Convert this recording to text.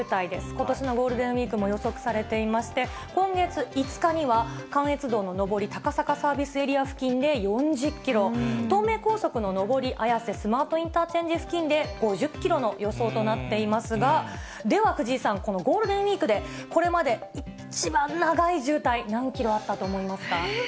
ことしのゴールデンウィークも予測されていまして、今月５日には、関越道の上り高坂サービスエリア付近で４０キロ、東名高速の上り綾瀬スマートインターチェンジ付近で５０キロの予想となっていますが、では藤井さん、このゴールデンウィークでこれまで一番長い渋滞、何キロあったと思いますか。